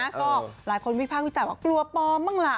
ก็หลายคนวิพากษ์วิจารณ์ว่ากลัวปลอมบ้างล่ะ